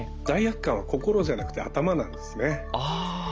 罪悪感は心じゃなくて頭なんですね。